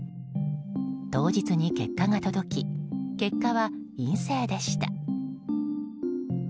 当日に結果が届き結果は陰性でした。